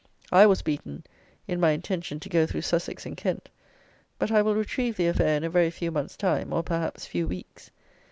I was beaten in my intention to go through Sussex and Kent; but I will retrieve the affair in a very few months' time, or, perhaps, few weeks.